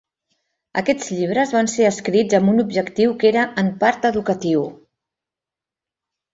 Aquests llibres van ser escrits amb un objectiu que era en part educatiu.